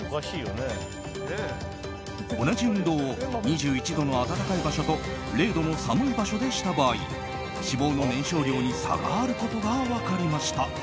同じ運動を２１度の暖かい場所と０度の寒い場所でした場合脂肪の燃焼量に差があることが分かりました。